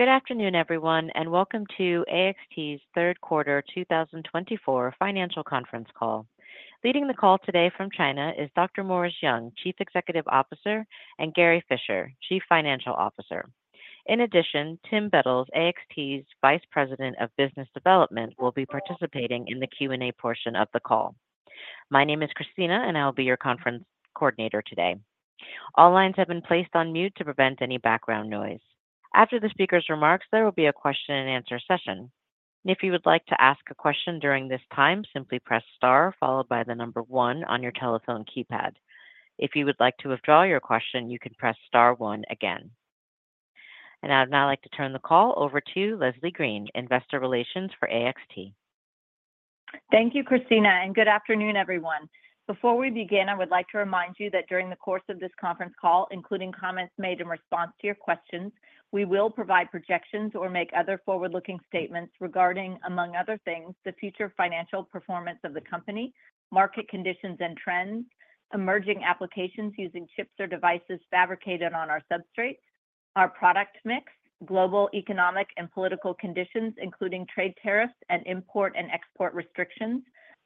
Good afternoon, everyone, and welcome to AXT's Q3 2024 financial conference call. Leading the call today from China is Dr. Morris Young, Chief Executive Officer, and Gary Fischer, Chief Financial Officer. In addition, Tim Bettles, AXT's Vice President of Business Development, will be participating in the Q&A portion of the call. My name is Christina, and I'll be your conference coordinator today. All lines have been placed on mute to prevent any background noise. After the speakers' remarks, there will be a question-and-answer session. If you would like to ask a question during this time, simply press star followed by the number one on your telephone keypad. If you would like to withdraw your question, you can press star one again. And I'd now like to turn the call over to Leslie Green, Investor Relations for AXT. Thank you, Christina, and good afternoon, everyone. Before we begin, I would like to remind you that during the course of this conference call, including comments made in response to your questions, we will provide projections or make other forward-looking statements regarding, among other things, the future financial performance of the company, market conditions and trends, emerging applications using chips or devices fabricated on our substrate, our product mix, global economic and political conditions, including trade tariffs and import and export restrictions,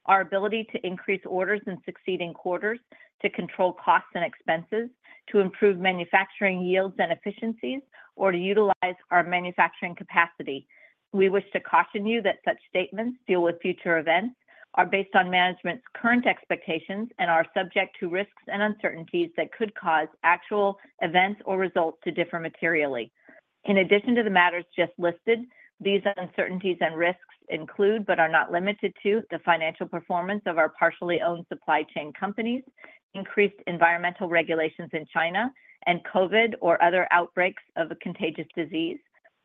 our ability to increase orders in succeeding quarters, to control costs and expenses, to improve manufacturing yields and efficiencies, or to utilize our manufacturing capacity. We wish to caution you that such statements deal with future events, are based on management's current expectations, and are subject to risks and uncertainties that could cause actual events or results to differ materially. In addition to the matters just listed, these uncertainties and risks include, but are not limited to, the financial performance of our partially owned supply chain companies, increased environmental regulations in China, and COVID or other outbreaks of a contagious disease.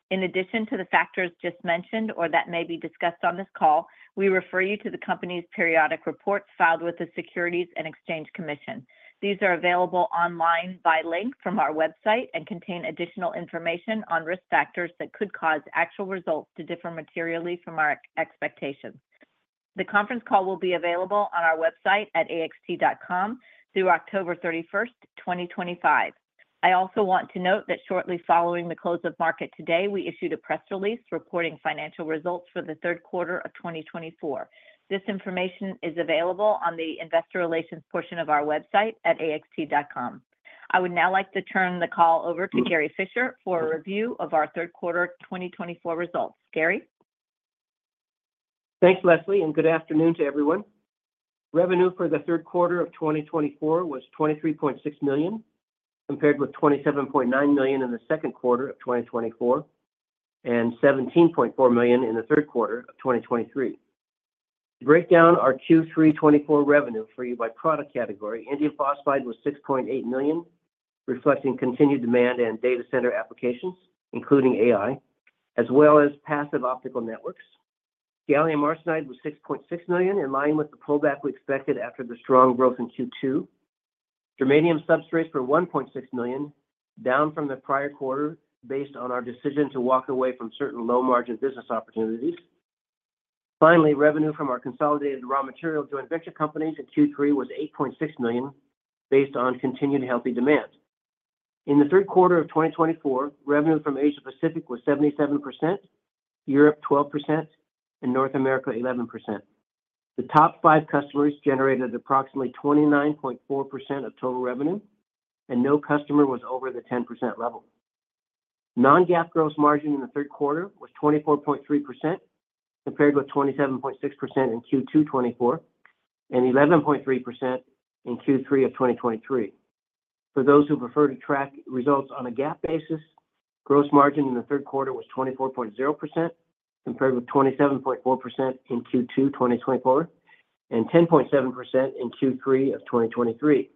In addition to the factors just mentioned or that may be discussed on this call, we refer you to the company's periodic reports filed with the Securities and Exchange Commission. These are available online by link from our website and contain additional information on risk factors that could cause actual results to differ materially from our expectations. The conference call will be available on our website at AXT.com through 31 October 2025. I also want to note that shortly following the close of market today, we issued a press release reporting financial results for the Q3 of 2024. This information is available on the Investor Relations portion of our website at AXT.com. I would now like to turn the call over to Gary Fischer for a review of our Q3 2024 results. Gary? Thanks, Leslie, and good afternoon to everyone. Revenue for the Q3 of 2024 was $23.6 million, compared with $27.9 million in the Q2 of 2024 and $17.4 million in the Q3 of 2023. To break down our Q3 2024 revenue for you by product category, indium phosphide was $6.8 million, reflecting continued demand and data center applications, including AI, as well as passive optical networks. Gallium Arsenide was $6.6 million, in line with the pullback we expected after the strong growth in Q2. Germanium substrates, $1.6 million, down from the prior quarter based on our decision to walk away from certain low-margin business opportunities. Finally, revenue from our consolidated raw material joint venture companies in Q3 was $8.6 million, based on continued healthy demand. In the Q3 of 2024, revenue from Asia-Pacific was 77%, Europe 12%, and North America 11%. The top five customers generated approximately 29.4% of total revenue, and no customer was over the 10% level. Non-GAAP gross margin in the Q3 was 24.3%, compared with 27.6% in Q2 2024 and 11.3% in Q3 of 2023. For those who prefer to track results on a GAAP basis, gross margin in the Q3 was 24.0%, compared with 27.4% in Q2 2024 and 10.7% in Q3 of 2023.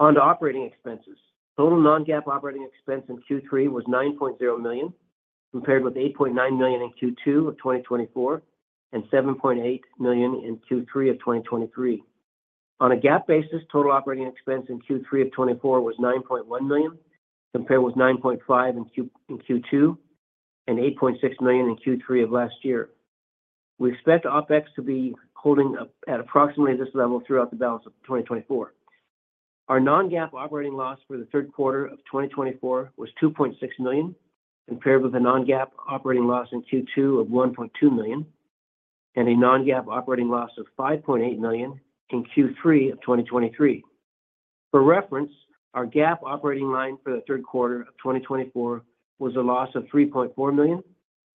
On to operating expenses. Total non-GAAP operating expense in Q3 was $9.0 million, compared with $8.9 million in Q2 of 2024 and $7.8 million in Q3 of 2023. On a GAAP basis, total operating expense in Q3 of 2024 was $9.1 million, compared with $9.5 million in Q2 and $8.6 million in Q3 of last year. We expect OpEx to be holding at approximately this level throughout the balance of 2024. Our non-GAAP operating loss for the Q3 of 2024 was $2.6 million, compared with a non-GAAP operating loss in Q2 of $1.2 million and a non-GAAP operating loss of $5.8 million in Q3 of 2023. For reference, our GAAP operating loss for the Q3 of 2024 was a loss of $3.4 million,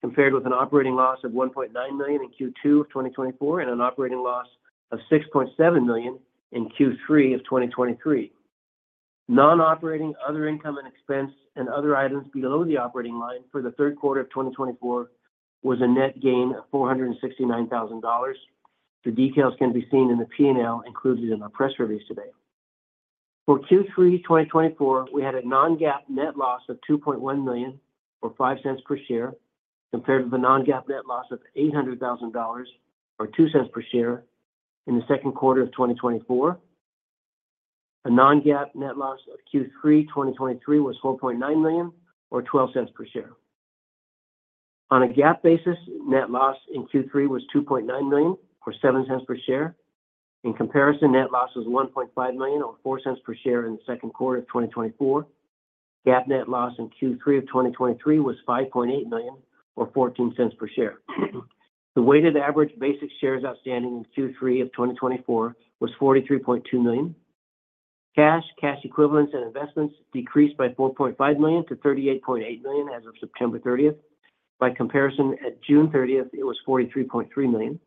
compared with an operating loss of $1.9 million in Q2 of 2024 and an operating loss of $6.7 million in Q3 of 2023. Non-operating other income and expense and other items below the operating line for the Q3 of 2024 was a net gain of $469,000. The details can be seen in the P&L included in our press release today. For Q3 2024, we had a non-GAAP net loss of $2.1 million or $0.05 per share, compared with a non-GAAP net loss of $800,000 or $0.02 per share in the Q2 of 2024. A Non-GAAP net loss of Q3 2023 was $4.9 million or $0.12 per share. On a GAAP basis, net loss in Q3 was $2.9 million or $0.07 per share. In comparison, net loss was $1.5 million or $0.04 per share in the Q2 of 2024. GAAP net loss in Q3 of 2023 was $5.8 million or $0.14 per share. The weighted average basic shares outstanding in Q3 of 2024 was 43.2 million. Cash, cash equivalents, and investments decreased by $4.5 million to 38.8 million as of September 30th. By comparison, at June 30th, it was $43.3 million.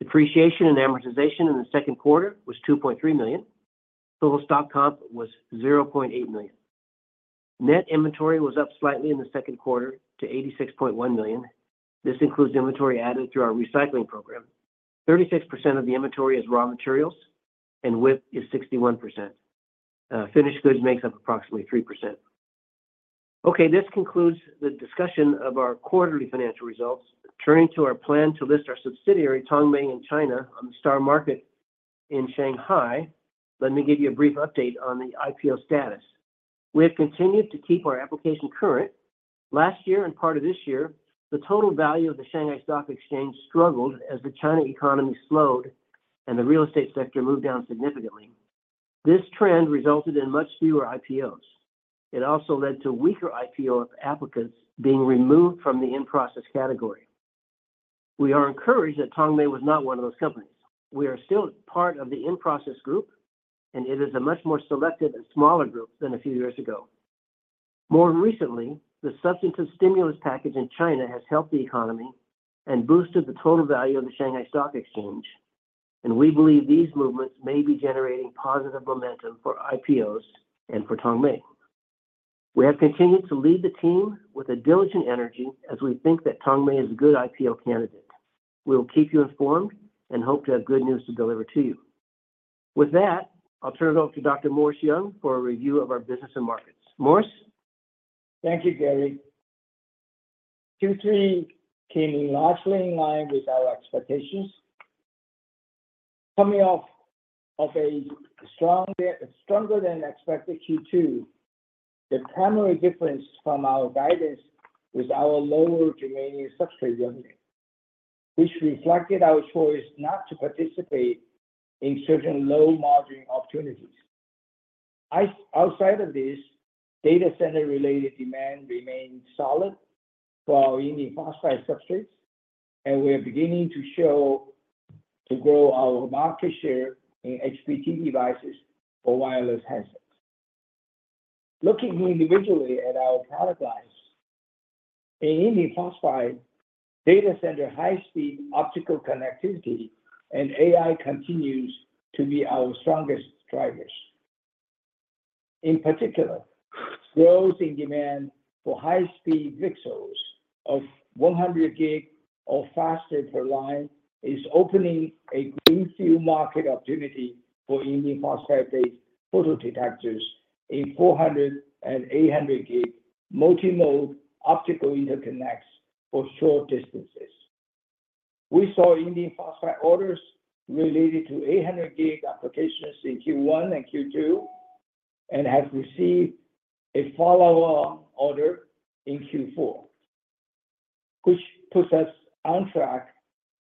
Depreciation and amortization in the Q2 was $2.3 million. Total stock comp was $0.8 million. Net inventory was up slightly in the Q2 to $86.1 million. This includes inventory added through our recycling program. 36% of the inventory is raw materials, and WIP is 61%. Finished goods makes up approximately 3%. Okay, this concludes the discussion of our quarterly financial results. Turning to our plan to list our subsidiary, Tongmei in China, on the STAR Market in Shanghai, let me give you a brief update on the IPO status. We have continued to keep our application current. Last year and part of this year, the total value of the Shanghai Stock Exchange struggled as the China economy slowed and the real estate sector moved down significantly. This trend resulted in much fewer IPOs. It also led to weaker IPO applicants being removed from the in-process category. We are encouraged that Tongmei was not one of those companies. We are still part of the in-process group, and it is a much more selective and smaller group than a few years ago. More recently, the substantive stimulus package in China has helped the economy and boosted the total value of the Shanghai Stock Exchange, and we believe these movements may be generating positive momentum for IPOs and for Tongmei. We have continued to lead the team with a diligent energy as we think that Tongmei is a good IPO candidate. We will keep you informed and hope to have good news to deliver to you. With that, I'll turn it over to Dr. Morris Young for a review of our business and markets. Morris? Thank you, Gary. Q3 came largely in line with our expectations. Coming off of a stronger-than-expected Q2, the primary difference from our guidance was our lower germanium substrate revenue, which reflected our choice not to participate in certain low-margin opportunities. Outside of this, data center-related demand remained solid for our indium phosphide substrates, and we are beginning to show to grow our market share in HBT devices for wireless handsets. Looking individually at our product lines, in indium phosphide, data center high-speed optical connectivity and AI continue to be our strongest drivers. In particular, growth in demand for high-speed VCSELs of 100 Gb or faster per line is opening a greenfield market opportunity for indium phosphide-based photodetectors in 400 and 800 gig multimode optical interconnects for short distances. We saw indium phosphide orders related to 800 Gb applications in Q1 and Q2 and have received a follow-on order in Q4, which puts us on track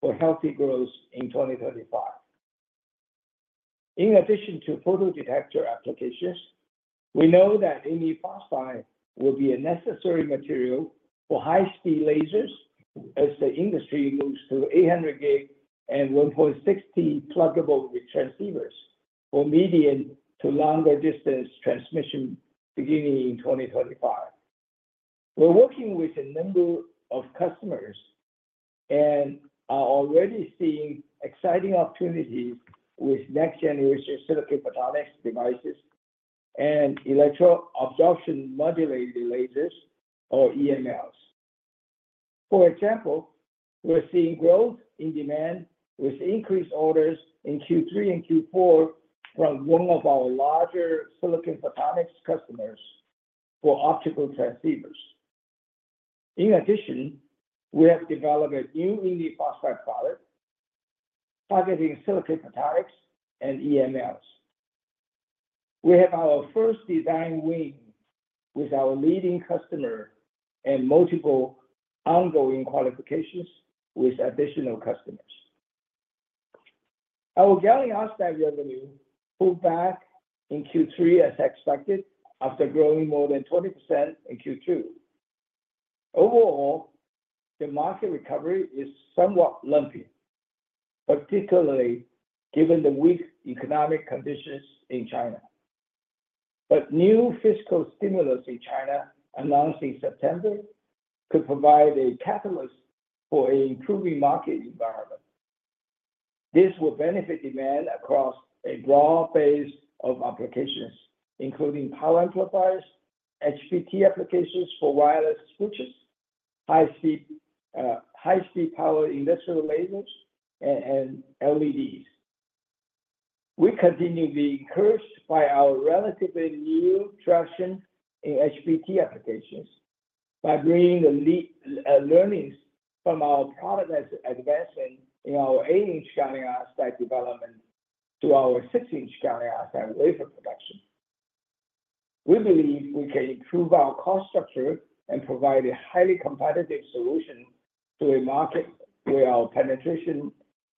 for healthy growth in 2025. In addition to photodetector applications, we know that indium phosphide will be a necessary material for high-speed lasers as the industry moves to 800 Gb and 1.6T pluggable transceivers for medium to longer distance transmission beginning in 2025. We're working with a number of customers and are already seeing exciting opportunities with next-generation silicon photonics devices and electro-absorption modulated lasers, or EMLs. For example, we're seeing growth in demand with increased orders in Q3 and Q4 from one of our larger silicon photonics customers for optical transceivers. In addition, we have developed a new indium phosphide product targeting silicon photonics and EMLs. We have our first design win with our leading customer and multiple ongoing qualifications with additional customers. Our Gallium Arsenide revenue pulled back in Q3 as expected after growing more than 20% in Q2. Overall, the market recovery is somewhat lumpy, particularly given the weak economic conditions in China. But new fiscal stimulus in China announced in September could provide a catalyst for an improving market environment. This will benefit demand across a broad base of applications, including power amplifiers, HPT applications for wireless switches, high-power industrial lasers, and LEDs. We continue to be encouraged by our relatively new traction in HPT applications by bringing the learnings from our product advancement in our 8-inch Gallium Arsenide development to our 6-inch Gallium Arsenide wafer production. We believe we can improve our cost structure and provide a highly competitive solution to a market where our penetration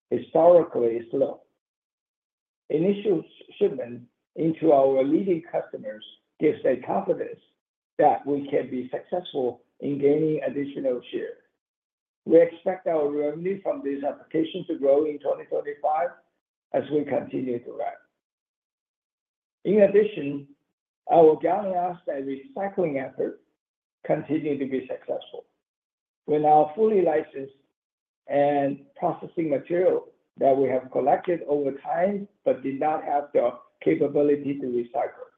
historically is low. Initial shipment into our leading customers gives us confidence that we can be successful in gaining additional share. We expect our revenue from these applications to grow in 2025 as we continue to grow. In addition, our Gallium Arsenide recycling effort continues to be successful. We now fully recycle and process material that we have collected over time but did not have the capability to recycle.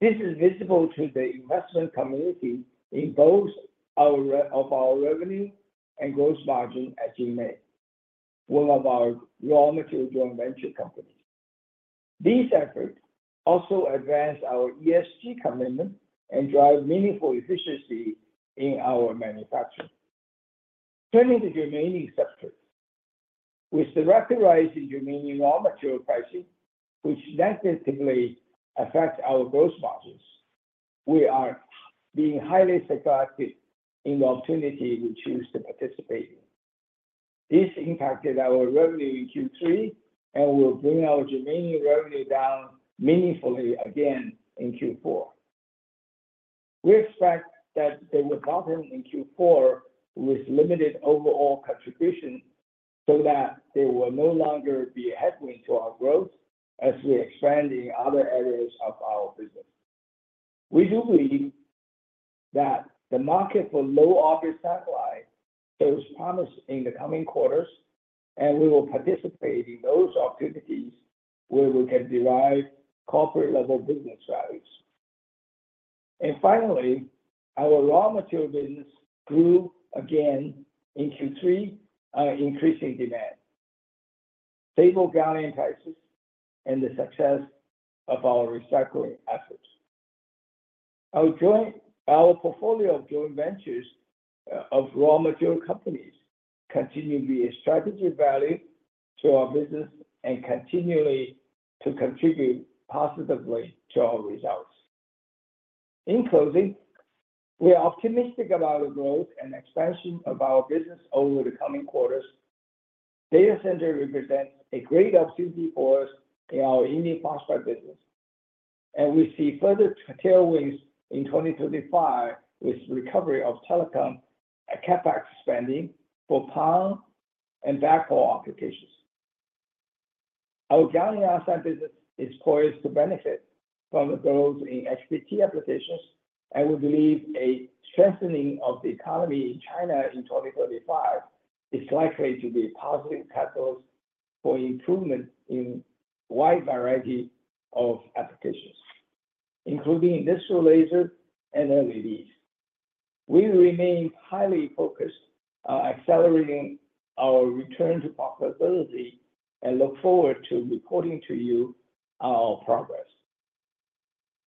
This is visible to the investment community in both our revenue and gross margin at JinMei, one of our raw material joint venture companies. These efforts also advance our ESG commitment and drive meaningful efficiency in our manufacturing. Turning to germanium substrate with the record-rising germanium raw material pricing, which negatively affects our gross margins, we are being highly selective in the opportunity we choose to participate in. This impacted our revenue in Q3 and will bring our germanium revenue down meaningfully again in Q4. We expect that there will be a bottom in Q4 with limited overall contribution so that there will no longer be a headwind to our growth as we expand in other areas of our business. We do believe that the market for low earth orbit satellite shows promise in the coming quarters, and we will participate in those opportunities where we can derive corporate-level business values. And finally, our raw material business grew again in Q3, increasing demand, stable gallium prices, and the success of our recycling efforts. Our portfolio of joint ventures of raw material companies continues to be a strategic value to our business and continues to contribute positively to our results. In closing, we are optimistic about the growth and expansion of our business over the coming quarters. Data center represents a great opportunity for us in our indium phosphide business, and we see further tailwinds in 2025 with recovery of telecom and CapEx spending for PON and backhaul applications. Our Gallium Arsenide business is poised to benefit from the growth in HPT applications, and we believe a strengthening of the economy in China in 2025 is likely to be a positive catalyst for improvement in a wide variety of applications, including industrial lasers and LEDs. We remain highly focused on accelerating our return to profitability and look forward to reporting to you our progress.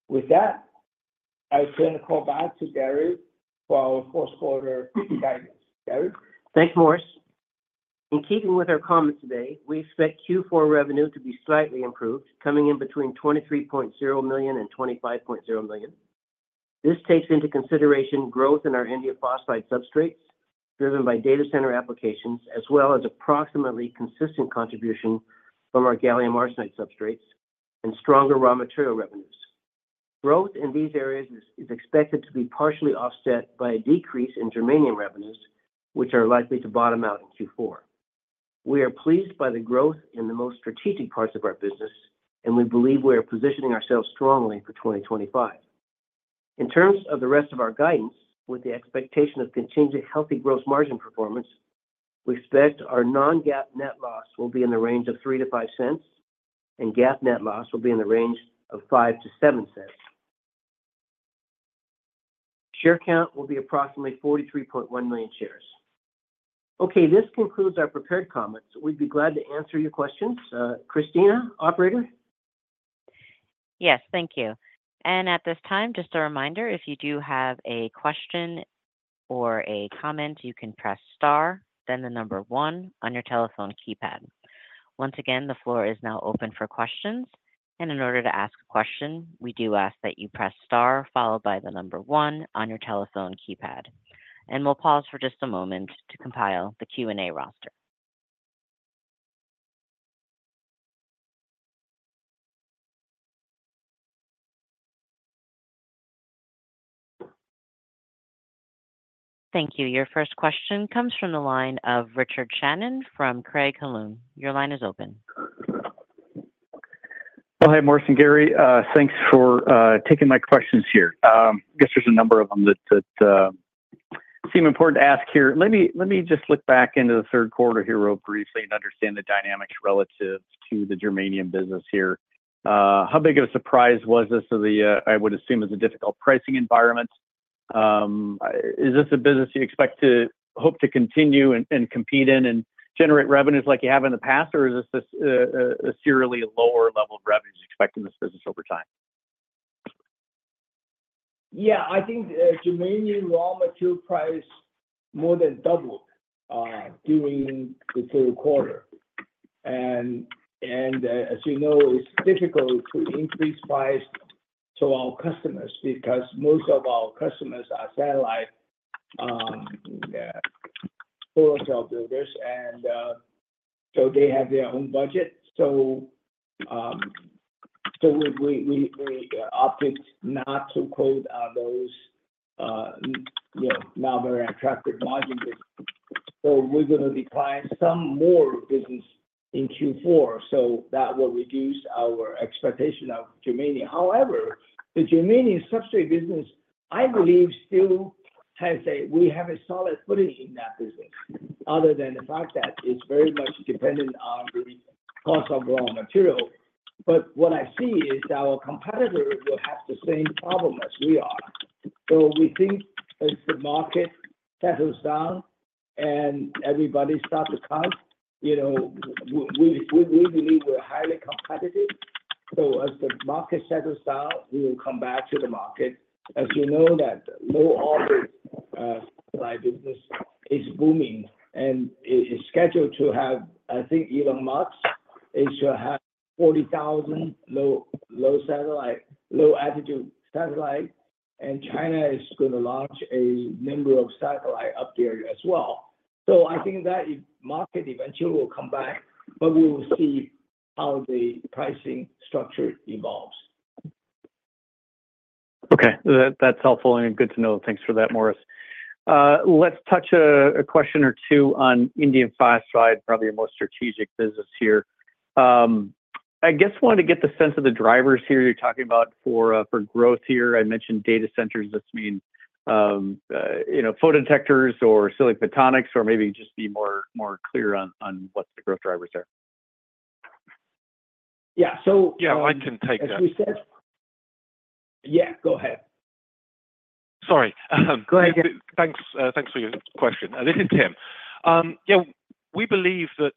With that, I turn the call back to Gary for our fourth quarter guidance. Gary. Thank you, Morris. In keeping with our comments today, we expect Q4 revenue to be slightly improved, coming in between $23.0 million and $25.0 million. This takes into consideration growth in our Indium phosphide substrates driven by data center applications, as well as approximately consistent contribution from our Gallium Arsenide substrates and stronger raw material revenues. Growth in these areas is expected to be partially offset by a decrease in Germanium revenues, which are likely to bottom out in Q4. We are pleased by the growth in the most strategic parts of our business, and we believe we are positioning ourselves strongly for 2025. In terms of the rest of our guidance, with the expectation of continued healthy gross margin performance, we expect our non-GAAP net loss will be in the range of $0.03 to 0.05, and GAAP net loss will be in the range of $0.05 to 0.07. Share count will be approximately 43.1 million shares. Okay, this concludes our prepared comments. We'd be glad to answer your questions. Christina, operator? Yes, thank you. And at this time, just a reminder, if you do have a question or a comment, you can press star, then the number one on your telephone keypad. Once again, the floor is now open for questions. And in order to ask a question, we do ask that you press star followed by the number one on your telephone keypad. And we'll pause for just a moment to compile the Q&A roster. Thank you. Your first question comes from the line of Richard Shannon from Craig-Hallum. Your line is open. Oh, hey, Morris and Gary. Thanks for taking my questions here. I guess there's a number of them that seem important to ask here. Let me just look back into the Q3 here real briefly and understand the dynamics relative to the Germanium business here. How big of a surprise was this? I would assume it was a difficult pricing environment. Is this a business you expect to hope to continue and compete in and generate revenues like you have in the past, or is this a serially lower level of revenues you expect in this business over time? Yeah, I think the germanium raw material price more than doubled during the Q3. And as you know, it's difficult to increase price to our customers because most of our customers are satellite photocell builders, and so they have their own budget. So we opted not to quote those not very attractive margins. So we're going to decline some more business in Q4, so that will reduce our expectation of germanium. However, the germanium substrate business, I believe, still has a, we have a solid footing in that business, other than the fact that it's very much dependent on the cost of raw material. But what I see is our competitors will have the same problem as we are. So we think as the market settles down and everybody starts to count, we believe we're highly competitive. So as the market settles down, we will come back to the market. As you know, that Low Earth Orbit satellite business is booming, and it is scheduled to have, I think Elon Musk is to have 40,000 low-satellite, low-altitude satellites. And China is going to launch a number of satellites up there as well. So I think that market eventually will come back, but we will see how the pricing structure evolves. Okay, that's helpful and good to know. Thanks for that, Morris. Let's touch a question or two on indium phosphide, probably your most strategic business here. I guess I wanted to get the sense of the drivers here you're talking about for growth here. I mentioned data centers. Does this mean photodetectors or silicon photonics, or maybe just be more clear on what the growth drivers are? Yeah, so yeah. I can take that. Yeah, go ahead. Sorry. Go ahead. Thanks for your question. This is Tim. Yeah, we believe that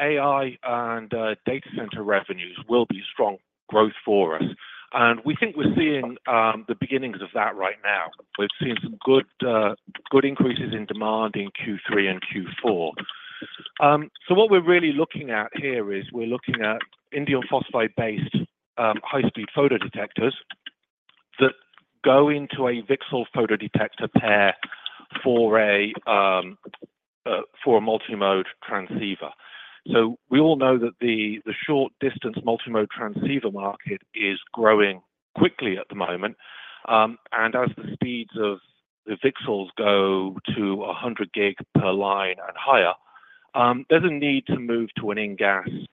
AI and data center revenues will be strong growth for us. And we think we're seeing the beginnings of that right now. We've seen some good increases in demand in Q3 and Q4. So what we're really looking at here is we're looking at indium phosphide-based high-speed photodetectors that go into a VCSEL photodetector pair for a multi-mode transceiver. So we all know that the short-distance multi-mode transceiver market is growing quickly at the moment. And as the speeds of the VCSELs go to 100 Gb per line and higher, there's a need to move to an InGaAs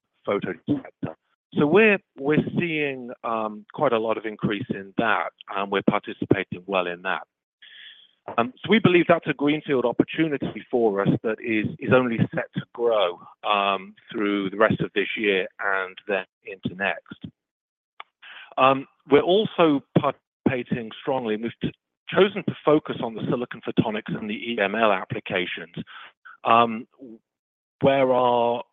photodetector. So we're seeing quite a lot of increase in that, and we're participating well in that. So we believe that's a greenfield opportunity for us that is only set to grow through the rest of this year and then into next. We're also participating strongly. We've chosen to focus on the silicon photonics and the EML applications, where our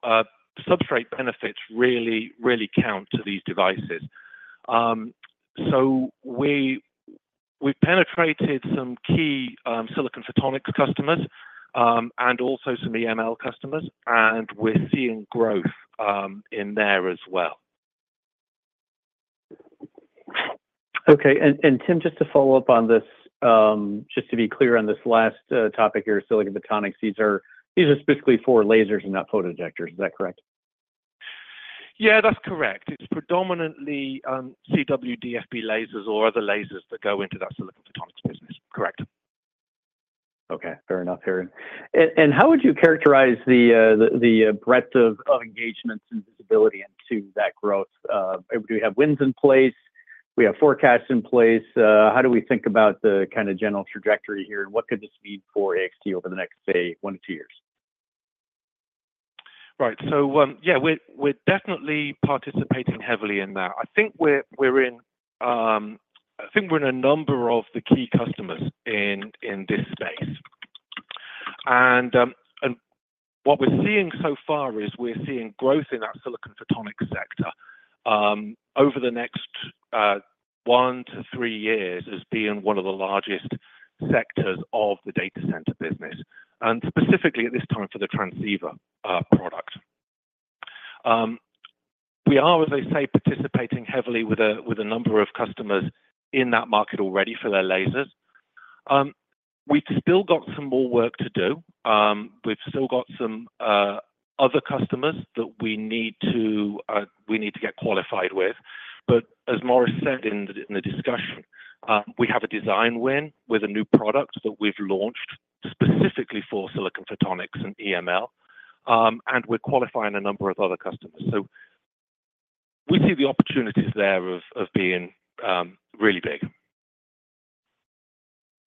substrate benefits really, really count to these devices. So we've penetrated some key silicon photonics customers and also some EML customers, and we're seeing growth in there as well. Okay. And Tim, just to follow up on this, just to be clear on this last topic here, silicon photonics, these are specifically for lasers and not photodetectors. Is that correct? Yeah, that's correct. It's predominantly CW DFB lasers or other lasers that go into that silicon photonics business. Correct. Okay, fair enough here. And how would you characterize the breadth of engagements and visibility into that growth? Do we have wins in place? We have forecasts in place. How do we think about the kind of general trajectory here, and what could this mean for AXT over the next, say, one to two years? Right. So yeah, we're definitely participating heavily in that. I think we're in a number of the key customers in this space, and what we're seeing so far is we're seeing growth in that silicon photonics sector over the next one to three years as being one of the largest sectors of the data center business, and specifically at this time for the transceiver product. We are, as I say, participating heavily with a number of customers in that market already for their lasers. We've still got some more work to do. We've still got some other customers that we need to get qualified with. But as Morris said in the discussion, we have a design win with a new product that we've launched specifically for silicon photonics and EML, and we're qualifying a number of other customers. So we see the opportunities there of being really big.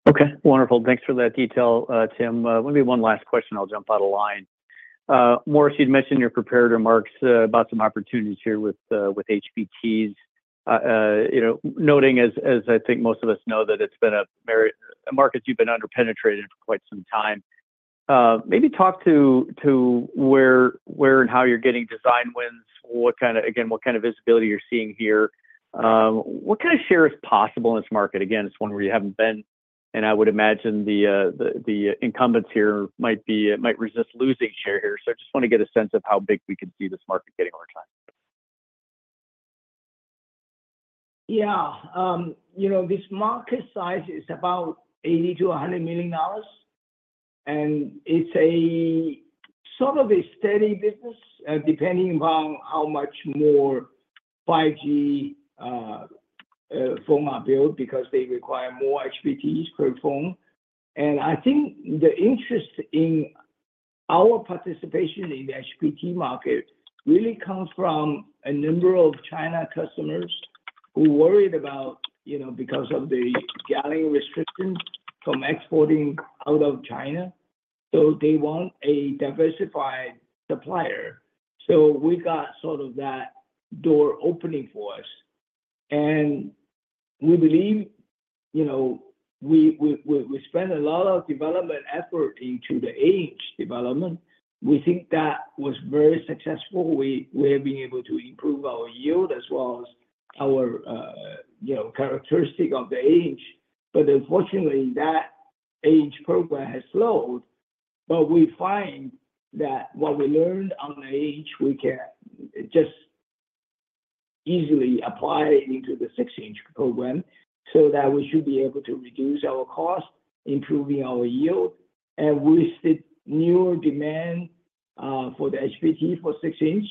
Okay, wonderful. Thanks for that detail, Tim. Let me, one last question. I'll jump out of line. Morris, you'd mentioned in your prepared remarks about some opportunities here with HBTs, noting, as I think most of us know, that it's been a market you've been under penetrated for quite some time. Maybe talk to where and how you're getting design wins, again, what kind of visibility you're seeing here. What kind of share is possible in this market? Again, it's one where you haven't been, and I would imagine the incumbents here might resist losing share here. So I just want to get a sense of how big we can see this market getting over time. Yeah, this market size is about $80 to 100 million, and it's sort of a steady business, depending upon how much more 5G phones are built because they require more HPTs per phone. I think the interest in our participation in the HPT market really comes from a number of China customers who worried about, because of the gallium restrictions, from exporting out of China. They want a diversified supplier. We got sort of that door opening for us. We believe we spent a lot of development effort into the GaAs development. We think that was very successful. We have been able to improve our yield as well as our characteristic of the GaAs. Unfortunately, that GaAs program has slowed. But we find that what we learned on the GaAs, we can just easily apply into the 6-inch program so that we should be able to reduce our cost, improving our yield, and with the newer demand for the HPT for 6-inch,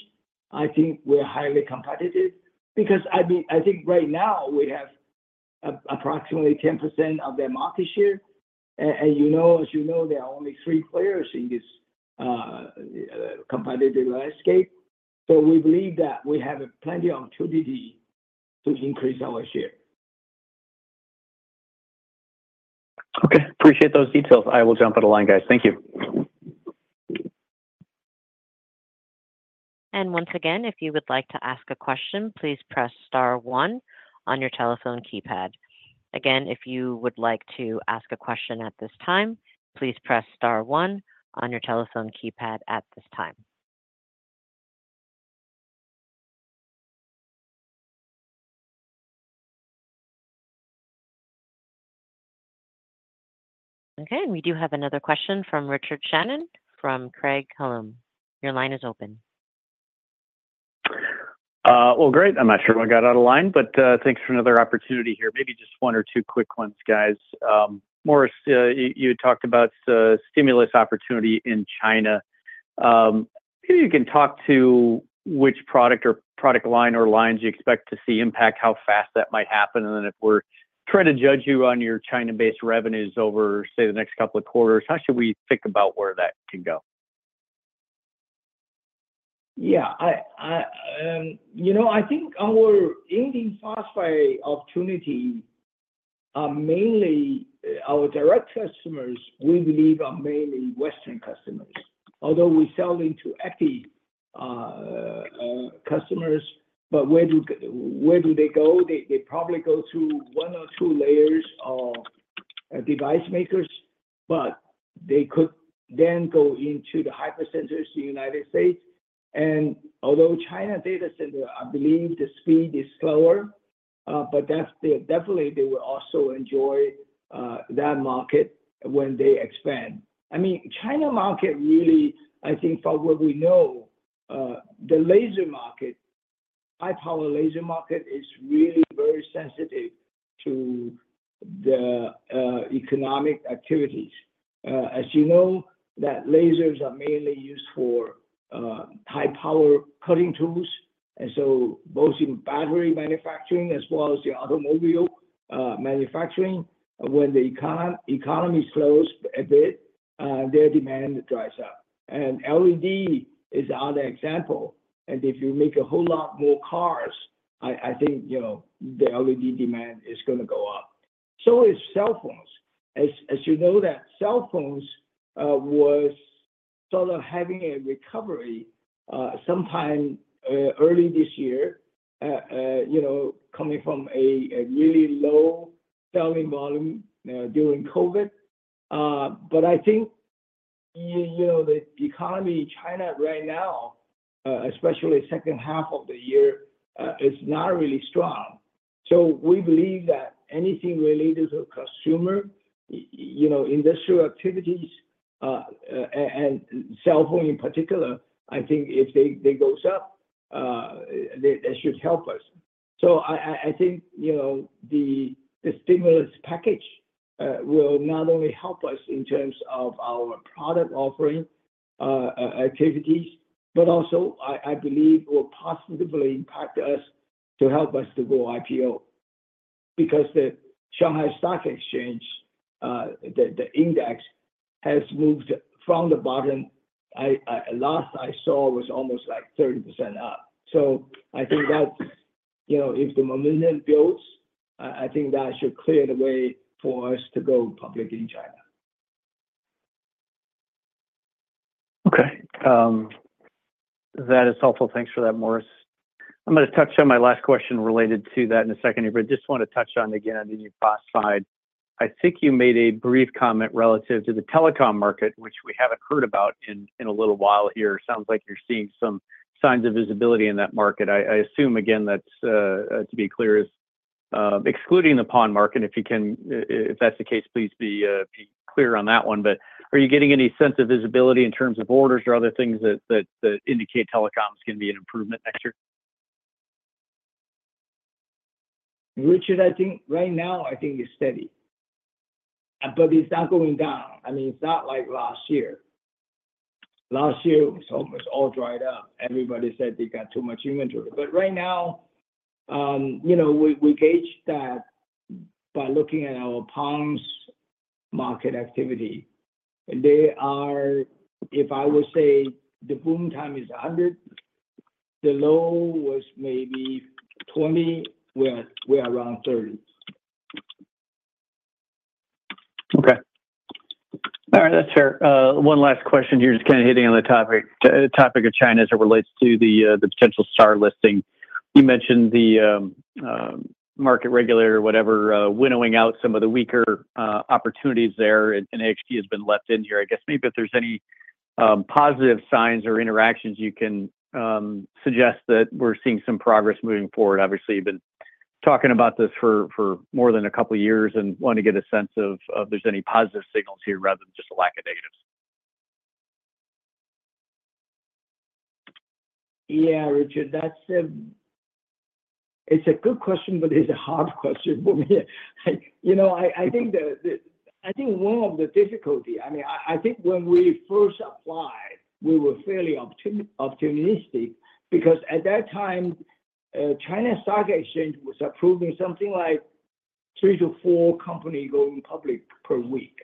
I think we're highly competitive. Because I think right now we have approximately 10% of their market share, and as you know, there are only three players in this competitive landscape, so we believe that we have plenty of opportunity to increase our share. Okay, appreciate those details. I will jump out of line, guys. Thank you. Once again, if you would like to ask a question, please press star one on your telephone keypad. Again, if you would like to ask a question at this time, please press star one on your telephone keypad at this time. Okay, and we do have another question from Richard Shannon from Craig-Hallum. Your line is open. Great. I'm not sure I got out of line, but thanks for another opportunity here. Maybe just one or two quick ones, guys. Morris, you had talked about stimulus opportunity in China. Maybe you can talk to which product or product line or lines you expect to see impact, how fast that might happen. And then if we're trying to judge you on your China-based revenues over, say, the next couple of quarters, how should we think about where that can go? Yeah, I think our indium phosphide opportunity, mainly our direct customers, we believe are mainly Western customers. Although we sell into AXT customers, but where do they go? They probably go through one or two layers of device makers, but they could then go into the hyperscalers in the United States. And although China data center, I believe the speed is slower, but definitely they will also enjoy that market when they expand. I mean, China market really, I think from what we know, the laser market, high-power laser market is really very sensitive to the economic activities. As you know, that lasers are mainly used for high-power cutting tools. And so both in battery manufacturing as well as the automobile manufacturing, when the economy slows a bit, their demand dries up. And LED is another example. And if you make a whole lot more cars, I think the LED demand is going to go up. So is cell phones. As you know, that cell phones were sort of having a recovery sometime early this year, coming from a really low selling volume during COVID. But I think the economy in China right now, especially the second half of the year, is not really strong. So we believe that anything related to consumer industrial activities and cell phone in particular, I think if they go up, that should help us. So I think the stimulus package will not only help us in terms of our product offering activities, but also I believe will positively impact us to help us to go IPO. Because the Shanghai Stock Exchange, the index has moved from the bottom. Last I saw was almost like 30% up. So I think that if the momentum builds, I think that should clear the way for us to go public in China. Okay, that is helpful. Thanks for that, Morris. I'm going to touch on my last question related to that in a second here, but just want to touch on, again, on indium phosphide. I think you made a brief comment relative to the telecom market, which we haven't heard about in a little while here. It sounds like you're seeing some signs of visibility in that market. I assume, again, that's to be clear is excluding the PON market. If you can, if that's the case, please be clear on that one. But are you getting any sense of visibility in terms of orders or other things that indicate telecoms can be an improvement next year? Richard, I think right now, I think it's steady. But it's not going down. I mean, it's not like last year. Last year, it was almost all dried up. Everybody said they got too much inventory. But right now, we gauge that by looking at our PONs market activity. They are, if I would say, the boom time is 100. The low was maybe 20. We're around 30. Okay. All right, that's fair. One last question here, just kind of hitting on the topic of China as it relates to the potential STAR listing. You mentioned the market regulator, whatever, winnowing out some of the weaker opportunities there, and AXT has been left in here. I guess maybe if there's any positive signs or interactions you can suggest that we're seeing some progress moving forward. Obviously, you've been talking about this for more than a couple of years and want to get a sense of if there's any positive signals here rather than just a lack of negatives. Yeah, Richard, it's a good question, but it's a hard question for me. I think one of the difficulties, I mean, I think when we first applied, we were fairly optimistic because at that time, the Shanghai Stock Exchange was approving something like three to four companies going public per week.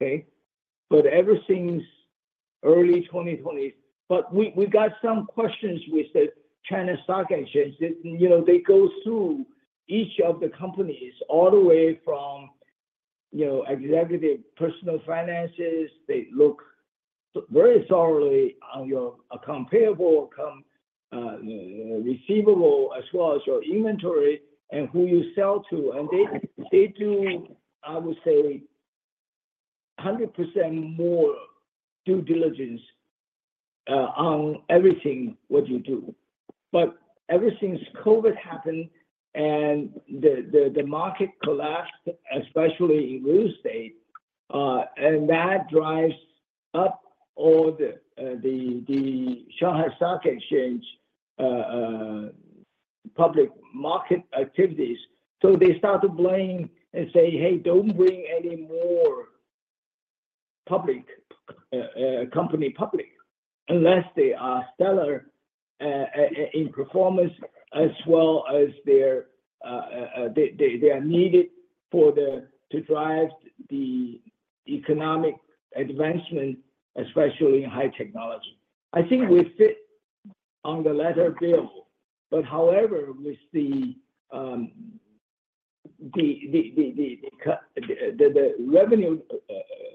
Okay? But ever since early 2020, but we got some questions with the Shanghai Stock Exchange. They go through each of the companies all the way from executives' personal finances. They look very thoroughly on your accounts payable, accounts receivable, as well as your inventory and who you sell to. And they do, I would say, 100% more due diligence on everything what you do. But ever since COVID happened and the market collapsed, especially in real estate, and that drives up all the Shanghai Stock Exchange public market activities. So they start to blame and say, "Hey, don't bring any more company public unless they are stellar in performance as well as they are needed to drive the economic advancement, especially in high technology." I think we fit the bill. But however, with the revenue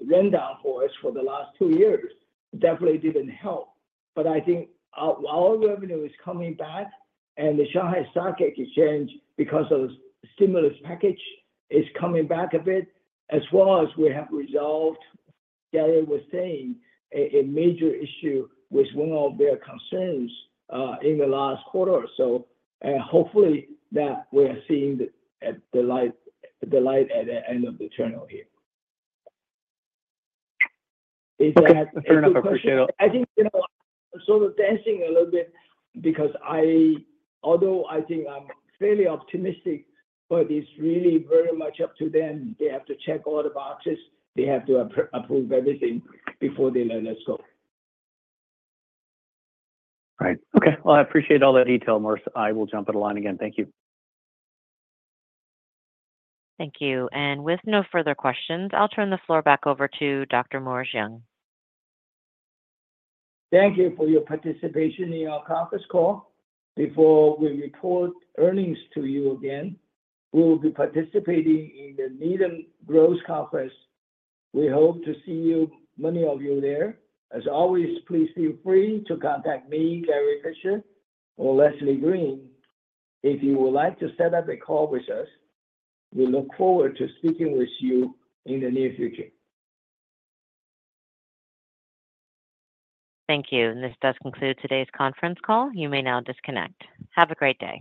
rundown for us for the last two years, definitely didn't help. But I think our revenue is coming back, and the Shanghai Stock Exchange, because of the stimulus package, is coming back a bit, as well as we have resolved, as I was saying, a major issue with one of their concerns in the last quarter. So hopefully that we are seeing the light at the end of the tunnel here. Fair enough. Appreciate it. I think sort of dancing a little bit because although I think I'm fairly optimistic, but it's really very much up to them. They have to check all the boxes. They have to approve everything before they let us go. Right. Okay. Well, I appreciate all that detail, Morris. I will jump out of line again. Thank you. Thank you. And with no further questions, I'll turn the floor back over to Dr. Morris Young. Thank you for your participation in our conference call. Before we report earnings to you again, we will be participating in the Needham Growth Conference. We hope to see many of you there. As always, please feel free to contact me, Gary Fischer, or Leslie Green if you would like to set up a call with us. We look forward to speaking with you in the near future. Thank you. This does conclude today's conference call. You may now disconnect. Have a great day.